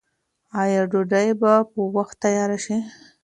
آیا ډوډۍ به په وخت تیاره شي؟